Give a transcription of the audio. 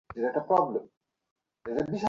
গায়ে দুর্গন্ধ স্প্রে করেছি কেন আমরা?